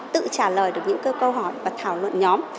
tự trả lời được những câu hỏi và thảo luận nhóm